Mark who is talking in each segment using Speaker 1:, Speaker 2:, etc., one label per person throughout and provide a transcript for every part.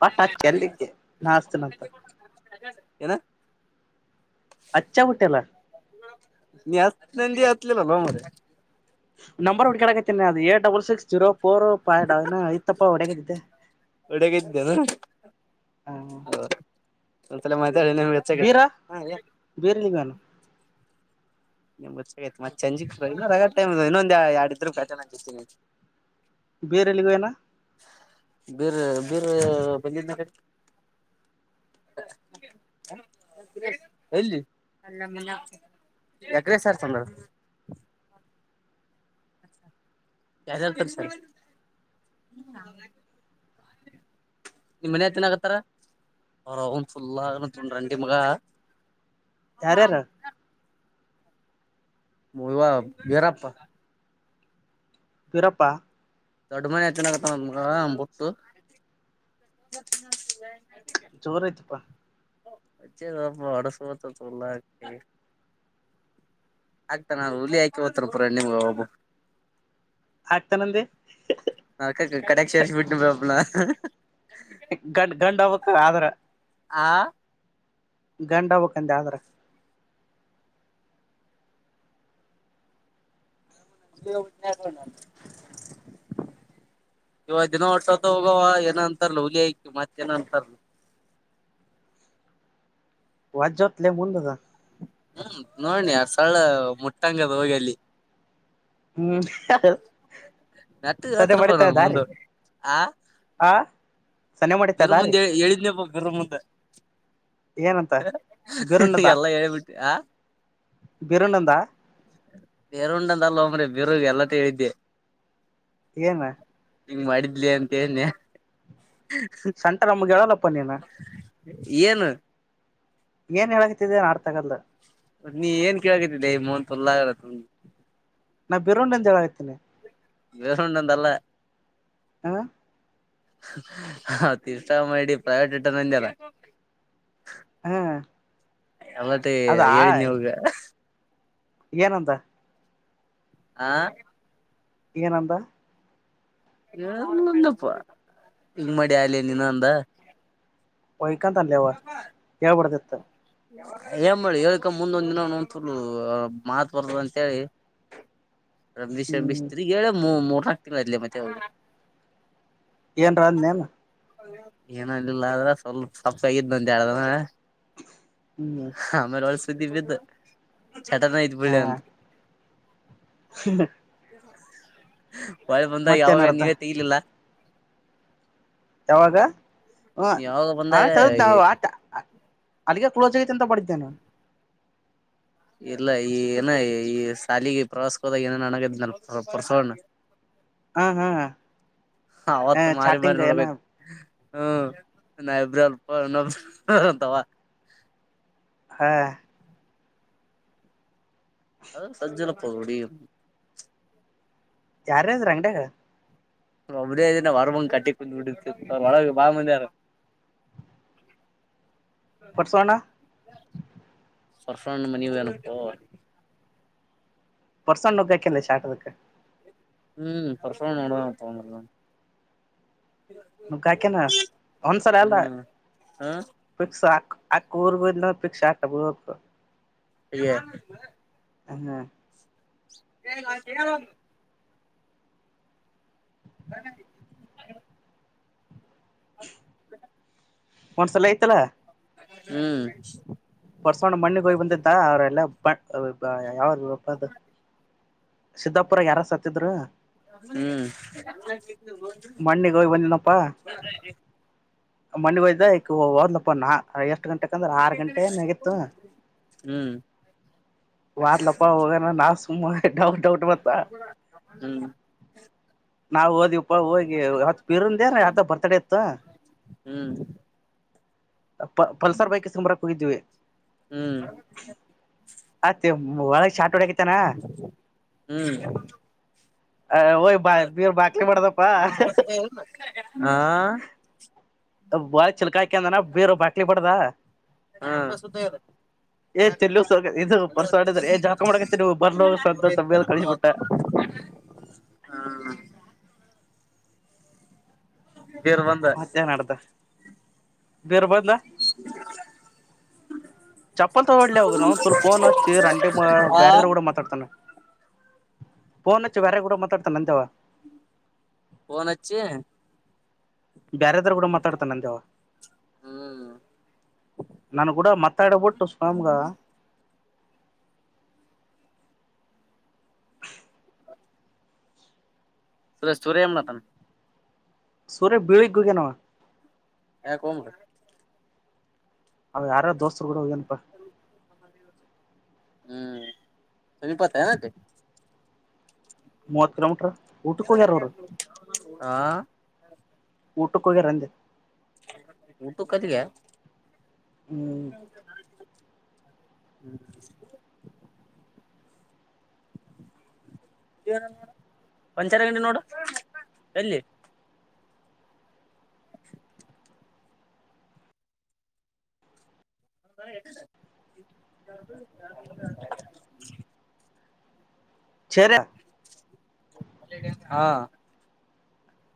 Speaker 1: ಪಠ ಕಅಚಿ ಅಲ್ಲಿಕ್ಕೆ ನ ಅಸ್ತನಂತ
Speaker 2: ಏನ
Speaker 1: ಅಜಾ ಹೊಟೆಲ್ಲ
Speaker 2: ನೀ ಆತ್ ನಂದ ಆತ್ಿಲ್ಲಲ್ಲ ಮರ
Speaker 1: ನಂಬರ್ ಹುಡ್ಕಡಕತೇನ ಅದು ಎಷ್ಟು ಡಬಲ್ ಸಿಕ್ಸ್ ಜೀರೋ ಪರ ಪಿಡಾವನ ಇತ್ತಪ್ಪ ಉಡಗಿದಿದ್ದ
Speaker 2: ಹೊಡ್ಯಾಗಿದ್ದೇನು
Speaker 1: ಹ
Speaker 2: ಸ [inaudible] ನಿ್ಗೆ
Speaker 1: ಬೀರ್ಲಿಗನು
Speaker 2: [inaudible] ನಿಮ್ ಗತ್ಚ್ಚಾಗತ್ತ್ತತ್ ಚಜಿ ರ [inaudible] ಟೈೊಂದು ಯಾರಡಿದ್ರು ಕಟೆ ನಗಿಸತೀನಿ
Speaker 1: ಬೇರೆಲ್ಲಿಗೋ ಏನಾ
Speaker 2: ಬೀರ್ ಬೀರ್ ಬ ಎಲ್ಲಿ ಯಕ್ರ ಸರ್ ಚಂದ ಯ್ದ ಹಳ್ತರಿ ಸರ್ [inaudible] ನಿಮ ಮನತನ್ಗತ್ತಾರ ಅವರ ಫುಲ್ಂಡಂಡಿ ಮಗ
Speaker 1: ಯಾರ್ಯಾರು
Speaker 2: ಇವ ಬರಪ್ಪಪ್ಪ
Speaker 1: ವಿರಪ್ಪ
Speaker 2: ದೊಡ್ಡ ಮನೆತ್ತನ ಆಗತ್ತ ನಮಬುಟ್ಟು [inaudible]
Speaker 1: ಜೋರ ಆಯ್ತಪ್ಪಾ
Speaker 2: ಚ್ಚೆ ಸ್ವಲ್ಪ ಹೊಡಸತಲ್ಲಾ [unintelligible] ಹಾ ಆಗ್ತ ನಾನು ಹುಲಿ ಹಾಕಿ ತಪರ ನಿಮ್ಗ ಒಬ್ಬ
Speaker 1: ಆಗ್ತಾನಂದಿ
Speaker 2: ಕಡಕ್ ಸ ಬಿಟ್ಟ ಬಪನ
Speaker 1: ಗಂಡ ಗಂಡ್ ಹಕ್ಕ ಆದ್ರ
Speaker 2: ಆ
Speaker 1: ಗಂಡ ಹಬಕಂತ ಆದ್ರೆ
Speaker 2: [unintelligible] ಇವ ದಿನ ಒಟ್ಟತ ಹೋಗವ ಏನ ಅಂತಾರಲ ಹುಲಿಕ ಮತ್ತ ಏನ ಅಂತಾರಲ
Speaker 1: ವಜಜತ್ಲ ಮುಂದ ದದ
Speaker 2: ಹ್ಮ್ ನೋಡ್ನಿ ಆ ಸಳ ಮುಟ್ಟಂಗದ್ ಹೋಗಿ ಅಲ್ಲಿ
Speaker 1: ಹ್ಮ್
Speaker 2: ನಟ್ಟು
Speaker 1: ಸನೆ
Speaker 2: ಎತ್ರಪ
Speaker 1: ಮಾಡಿತಾ
Speaker 2: ನ ಮುಂದ
Speaker 1: ದಾರಿ
Speaker 2: ಆ
Speaker 1: ಆ ಸನೆ ಮಾಡಿತಾ
Speaker 2: ಬಿರು
Speaker 1: ದಾರಿ
Speaker 2: ಮುಂದ ಹೇಳಿದ್ನೇಪ್ಪ ಬಿರು ಮುಂದ
Speaker 1: ಏನಂತ
Speaker 2: ಎಲ್ಲ ಹೇಿಬಿಟ್ಟೆ ಆ
Speaker 1: ಬೀರಣ್ಣದ
Speaker 2: ಬೇರುಂಡಂದ ಅಲ್ ಒಮ್ಮ್ರೆ ಬಿರುಗೆ ಎಲ್ಲತ್ತ ಹೇಳಿದ್ದೆ
Speaker 1: ಏನ್
Speaker 2: ಹಂಗ ಮಾಡಿದ್ಲಿ ಅಂತ ಹೇಳನೆೆ
Speaker 1: ಸಂಟ ನಮ್ಗೆ ಹೇಳೋನಪ್ಪ ನೀನು
Speaker 2: ಏನು
Speaker 1: ಏನ್ ಹೇಳಕ್ತಿದೆ ನಾಡ್ತಗಲ್್ದ
Speaker 2: ನೀ ಏನ್ ಕೇಳಕಿದ್ದ ಇ ಮನ್ತ್ಲ್ಲ ಆಗಲ್ಲ
Speaker 1: ನಾ ಬಿರೊಂಡಂದ ಜ ಆ್ತೇನೆ
Speaker 2: ಬಿರಂಡಂತಲ್ಲ
Speaker 1: ಹ
Speaker 2: ಹ ತೀರ್ಥ ಮಾಡಿ ಪ್ರೈವೇಟ್ ಇಟ್ಟಾನ ಅಂದಲ್ಲಾ
Speaker 1: ಹ್ಮ್
Speaker 2: ಮತ್ತೆ ಹೇಳಿದ್ನಿ ಇವಾಗ
Speaker 1: ಏನಂತ
Speaker 2: ಆ
Speaker 1: ಏನ್ ಅಂದಾ
Speaker 2: ದಪ್ಪ ಹಿಂಗ ಮಾಡಿ ಆಲಿ ನೀನು ಅಂದಾ
Speaker 1: [unintelligible] ಅಲ್ಲಯವ ಹೇಳ್ಬಾರ್ದ ಇತ್ [unintelligible]
Speaker 2: ಏ ಮಾಡಿ ಹೇಳ್ಕ ಮುಂದೊಂದ್ ದಿನ [unintelligible] ಬರ್ದ ಅಂತೇಳಿ ರಂಬಿಸಿ ರಮ್ಮಿಸಿ
Speaker 1: ಹ್ಮ್
Speaker 2: ತಿರುಗಳೇ ಮು ಮೂರ ಹತ್ ತಿಂಗಳಾಯಿತಲೇ
Speaker 1: ಏನ್ರ ಅದೇನ್
Speaker 2: ಏನಂದಿಲ್ಲ ಆದ್ರ ಸ್ವಲ್ಪ ಸಪ್ಪಗಿದ್ ಬಂತ ಹೇಳ್ದಾನ
Speaker 1: ಹ್ಮ್
Speaker 2: [unintelligible] ಸುದ್ದಿ ವಿಧ ಚಟನ ಐತಿ ಬಿಳ್ಳಿ ಅಂತ
Speaker 1: ಹ
Speaker 2: ಒಳಿ ಬಂದಗ ಯಾವಾಗ
Speaker 1: ನಡ್ದ
Speaker 2: ನೀವೇ ತೆಗಲಿಲ್ಲ
Speaker 1: ಯಾವಾಗ ಹ್ಮ
Speaker 2: ನೀವ್ ಯಾವಾಗ ಬಂದಾಗ
Speaker 1: [unintelligible] ಅಲ್ಲಿಗೆ ಫೋನ್ ಹಚ್ಚ ತ ಪಡಿದ್ದೆ ನಿನು
Speaker 2: ಇಲ್ಲ ಈ ಏನ ಈ ಶಾಲಿಗೆ ಪ್ರವಾಸಗೋದಾಗ ಏನೇನ್ ಅನಗದ್ನ ಪರಸುಅಣ್ಣಾ
Speaker 1: ಹಾ ಹಾ ಹ
Speaker 2: ಅವತ್
Speaker 1: ಹ
Speaker 2: ಮಾರಿ ಮಾರಿ
Speaker 1: ಚಾಟಿಂಗ ಯೆನ
Speaker 2: ನೋಡ್ಬೇಕ ಹ್ಮ್ ನ ನೈಬ್ರಲ್ ಅವಾ
Speaker 1: ಹಾ
Speaker 2: ಹೌದು ಸಜ್ಜ ಇಲಾ ಪಗಡಿ
Speaker 1: ಯಾರಾದ್ರ ಅಂಗಡಾಗ
Speaker 2: ಅಬಡೇ ಇದನ ವರಮಂ ಕಟ್ಟಿ ಕುಂದು ಬಿಟಿನೀ ಒಳಗ ಬಾಳ ಮಂದಿ ಅದಾರ
Speaker 1: ಪರಸೋಣ್ಣಾ
Speaker 2: ಪರಸುಅಣ್ಣಾ ಮನಿಗೆ ಹೋಗ್ಯಾನ
Speaker 1: ಪರ್ಸಣ್ಣುಗಾಕಲ್ಲ ಚಾಟದಕ್ಕೆ
Speaker 2: ಹೂ ಪರಸು ಅಣ್ಣಾ ಹೊಡೆದನತ್
Speaker 1: ರೊಕ್ಕ ಹಾಕ್ಕಯಾನ ಒಂದ್ಸಾರಿ ಅಲ್ಲ
Speaker 2: ಹ್ಮ್ ಹ
Speaker 1: ಪಿಕ್ಸ್ ಹಾಕ ಆಕಿಊರ ಬಿಟ್ಳಂದ್ರ ಪಿಕ್ಸ್
Speaker 2: [unintelligible]
Speaker 1: ಹ್ಮ್
Speaker 2: [unintelligible] [inaudible]
Speaker 1: ಒಂದು ಸಲ ಆಯಿತಲ್ಲ.
Speaker 2: ಹ್ಮ್.
Speaker 1: ಹೊರ್ಸೊಂಡ್ ಮಣ್ಣಿಗೋಯ್ ಬಂದಿದ್ದಾರ ಅವ್ರಲ್ಲ ಯಾವ [unintelligible] ಸಿದ್ದಾಪುರ ಯಾರ ಸತ್ತಿದ್ರು.
Speaker 2: ಹ್ಮ್.
Speaker 1: ಮಣ್ಣಿಗ್ ಹೋಗ್ ಬಂದೆನಪ್ಪ. [unintelligible] ಓದ್ಲಪ್ಪ ನಾ ಎಷ್ಟ್ ಗಂಟೆಕಂದ್ರೆ ಆರ್
Speaker 2: ಹ್ಮ್
Speaker 1: ಗಂಟೆ ಆಗಿತ್ತು ವದ್ಲಪ್ಪ ಹೋಗ್ರ ನಾವ ಸುಮ ಡೌಟ್ ಡೌಟ್ ಬತ್ತ ನಾವ್ ಓದವಿ ಅ ಹೋಗಿ ಅವತ್ ಪಿರುಂದ ನ ಅದ ಬರ್ತಡೆ ಇತ್ತು
Speaker 2: ಹ್ಮ್
Speaker 1: ಪ ಪಲ್ಸರ್ ಬೈಕ್ ಇಸ್ಕೋಬ್ರಕ್ ಹೋಗಿದೀವಿ
Speaker 2: ಹ್ಮ್ ಹ್ಮ್
Speaker 1: ಅತ್ತ ಒಳಗ ಷಾಟ್ ಹೊಡೆ ಕುಂತಾನ.
Speaker 2: ಹ್ಮ್
Speaker 1: ಅ ಒಯ್ ಬಾ ಬೀರ್ ಬಾಕಲಿ ಮಾಡ್ದಪ್ಪಾ
Speaker 2: ಹಾ.
Speaker 1: ಬಾರಿ ಚಿಲಕಾಕಂದಾನ ಬೀರು ಬಾಟ್ಲಿ ಬಡದಾ, ಏ ಚೆಲ್ಲು ಇದು ಪರ್ಸ ಹೊಡಿದ್ರ ಏ ಜಳಕ ಮಾಡಕತ್ತಿ ನೀವು ಬರ್ಲ ಹೋಗ ಸದ್ದ ಮೇಲ್ ಕಳಿಸ್ಬಿಟ್ಟ
Speaker 2: [unintelligible] ಬೀರ್ ಬಂದ
Speaker 1: ಮತ್ತನ್ ಅಡತ ಬೀರ್ ಬಂದ ಚಪ್ಪಲ ತೋಂಡ್ ಒಡ್ಲೆ ಅವ್ಗ ನೌನ್ ತುಲ್ಲ್ ಪೋನ್ ಹಚ್ಚಿ, ರಂಡಿ ಮಗ ಬೇರೆಯವರ ಗೂ ಡ ಮಾತಾಡ್ತಾನ. ಫೋನ್ ಹಚ್ಚಿ ಬೇರೆಯವರ ಗೂಡ ಮಾತಾಡ್ತಾನ ಅಂತವಾ,
Speaker 2: ಫೋನ್ ಹಚ್ಚಿ
Speaker 1: ಬ್ಯಾರಾದರು ಗೂಡ ಮಾತಾಡ್ತಾನಂತಿವ.
Speaker 2: ಹ್ಮ್
Speaker 1: ನನ್ನ ಗೂಡ ಮಾತಾಡಬಟ್ಟು ಸುಳ್ಳೇ ಮಗ,
Speaker 2: [unintelligible]
Speaker 1: ಸೂರ್ಯ ಬಿಳಿಗಿ ಬಿದ್ದನ್ವ,
Speaker 2: ಯಾಕ್ ಕೋಮಾರಿ,
Speaker 1: ಅವ ಯಾರ ದೋಸ್ತರು ಕೂಡ ಹೋಗ್ಯನಪಾ,
Speaker 2: ಹ್ಮ್ ಸಮೀಪ ಆಗುತ್ತೇನ.
Speaker 1: ಮೂವತ್ತು ಕಿಲೋಮೀಟರ್, ಊಟಕ್ ಹೋಗ್ಯಾರ ಅವ್ರು
Speaker 2: ಆ
Speaker 1: ಟಕ್ ಹೋಗ್ಯಾರಂದ್
Speaker 2: ಊಟ ಕತಿಗೆ, [inaudible]
Speaker 1: ಹ್ಮ್
Speaker 2: ಪಂಚರ ಅಂಗಡಿ ನೋಡು. ಎಲ್ಲಿ, [inaudible] [inaudible]
Speaker 1: ಚಹರೆ
Speaker 2: ಹಾ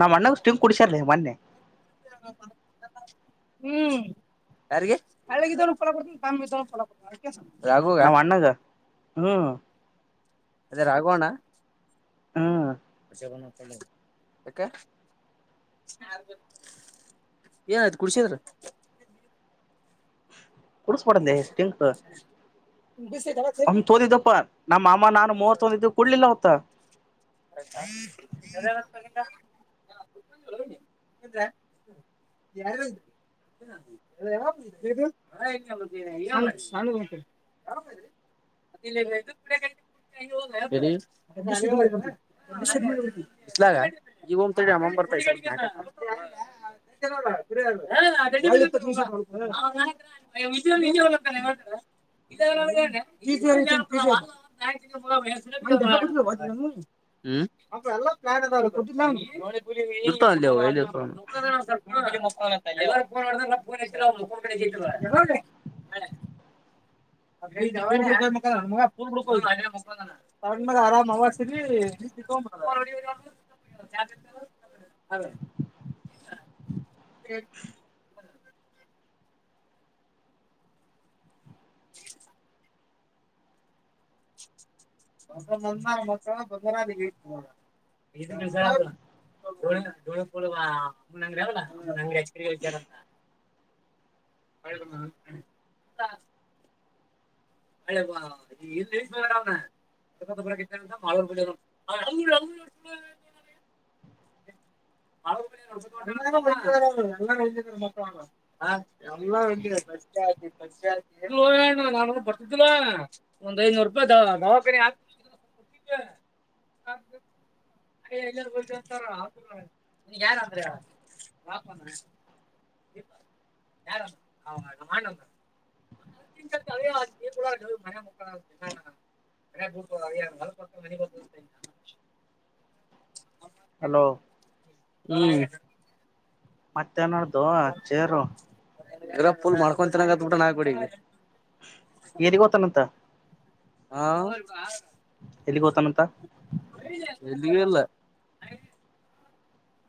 Speaker 1: ನಮ್ಮ ಅ್ಣಗ್ುಿ್ ಕುಡಸರ್ಲಿ ಮೊೆ
Speaker 2: ಹ್ಮ ಸ ಕಳಗೆ ತವನಫಲ ಕೊಡ್ತ ತಮ್ಮ ಭಫಲ ಕೊಡ್ತ
Speaker 1: ನಾ ವ್ಣಾಗ ಹ್ಮ್
Speaker 2: ಅದೇ ರಾಘವೋಣ
Speaker 1: ಹ್ಮ್
Speaker 2: ಯಾಕ ಏನಯ್ತು ಕುಡ್ಸಿದ್ರ
Speaker 1: ಕುಡಸು ಮಾಡಡಂದೆ್ಟಿಂ ಹ ೋಡಿ ದಪ್ಪಾರ ನಮ್ಮ ಮಾಮ ನಾನು ಮೂವತ್ತೊಂದ ಇದ ಕುಡ್ಲಿಲ್ಲ ಅವತ್ತ,
Speaker 2: ಎಲ್ಲೀಅಲಂತ ಮಾನಿಕ್ ಯಾರ್ಯಾರಹೋಗತೀರ್ ಇಲ ಇ ಅಮ್ಮ ಬರ್ತ ಹಿಮ್ಮ ಹ ಹಿಮ್ ಮ ಮೂ ಅಂಗಡಿ ಅವಲ್ಲ ಅಂಗಡಿಚಾರಂತ ಮಾ ನ ಒಂದ್ ಐನೂರು ರೂಪಾಯಿ ದವಾಖ ಯಾರ ಅಂದ್ರ ಯೂಡ ಮ ಮು ಮ
Speaker 1: ಹಲೋ
Speaker 2: [unintelligible] ಹ್ಮ್
Speaker 1: ಮತ್ತೇನೋಡ್ದು ಚೇರು
Speaker 2: ಊಟ ಆಗ್ಬಡಿ
Speaker 1: ಏರಿಗೋತಾನಂತ
Speaker 2: ಹಾ
Speaker 1: ಎಲ್ಲಿ ಹತಾನಂತ
Speaker 2: ಎಲ್ಲಿಗಲ್ಲ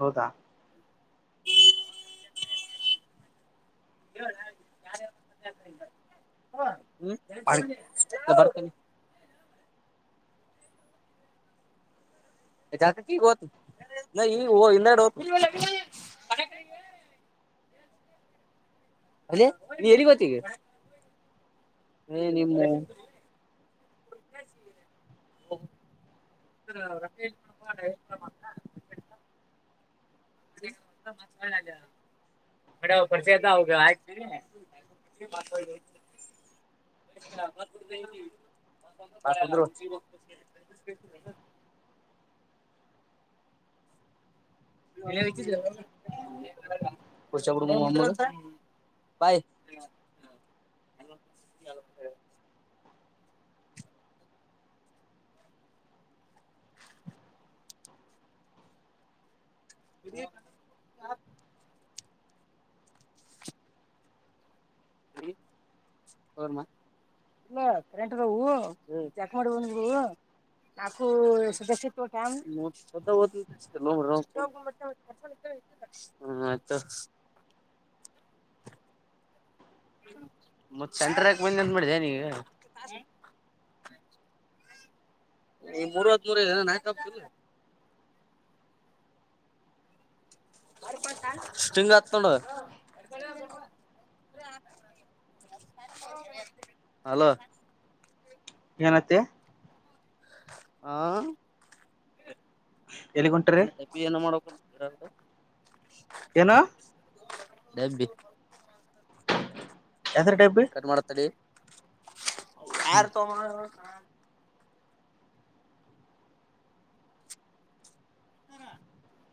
Speaker 1: ಹೌದಾ
Speaker 2: ಾಯ ಹ
Speaker 1: ಮಾಡ್ಕ
Speaker 2: ಹ್ಮಞ [unintelligible] ಚತಗತ್ತು ನ ಈ ಇಲ್ಲಡು ಅದೇ ನೀ ಎಲ್ಲಿ ಗೊತ್ತಗ ಹ್ಮ ನಿಮ್ದ ಮ ಪರಿಚಯ ಅವ ಆಯ ಕುಷಪ ಬಾಯ ಇ ಇಲ್ಲ ಕರೆಂಟ್ ಆದವು ಚೆಕ್ ಮಾಡಿ ಬಂದ ನಾಕು [unintelligible] ಮತ್ ಸೆಂಟ್ರಕ್ ಬಂದಂತ ಮಾಡಿದೆ ನೀಗ [unintelligible] ಸಿಂಗ್ ಆತ ನೋಡು [inaudible] ಹಲೋ
Speaker 1: ಏನತ್ತಿ
Speaker 2: ಹಾ
Speaker 1: ಎಲ್ಲಿಗುಂಟ್ರಿ
Speaker 2: [unintelligible] ಏನ ಮಾಡಬೇಕ [unintelligible]
Speaker 1: ಏನು
Speaker 2: [unintelligible]
Speaker 1: ಹೆಸರು ಡಬ್ಬಿ
Speaker 2: ಕಟ್ ಮಾಡ್ತಡಿ [inaudible]
Speaker 1: ಹ್ಮ್
Speaker 2: ಯಾರ ತಗೋಬಂದರ ಹಾ [unintelligible]